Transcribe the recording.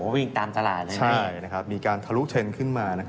วิ่งตามตลาดเลยมีการทะลุเทรนด์ขึ้นมา